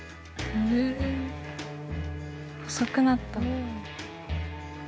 細くなった。